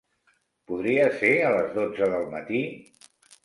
Podria ser a les dotze del matí?